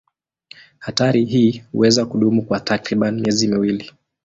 Hatari hii huweza kudumu kwa takriban miezi miwili.